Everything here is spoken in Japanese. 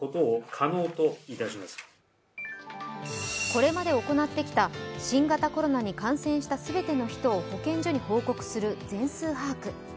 これまで行ってきた新型コロナに感染した全ての人を保健所に報告する全数把握。